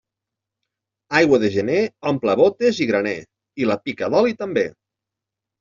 Aigua de gener omple bótes i graner, i la pica d'oli també.